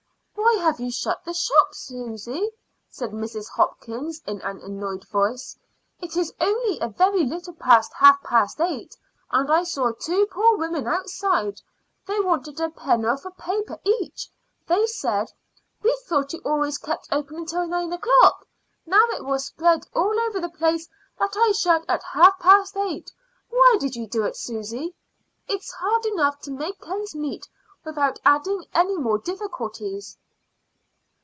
"Why have you shut the shop?" said Mrs. Hopkins in an annoyed voice. "It is only a very little past half past eight, and I saw two poor women outside. They wanted a penn'orth of paper each. They said, 'We thought you always kept open until nine o'clock,' Now it will spread all over the place that I shut at half past eight. Why did you do it, Susy? It's hard enough to make ends meet without adding any more difficulties."